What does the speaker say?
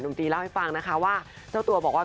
ตีเล่าให้ฟังนะคะว่าเจ้าตัวบอกว่า